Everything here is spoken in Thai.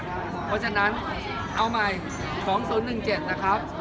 เพราะฉะนั้นเอาใหม่๒๐๑๗นะครับ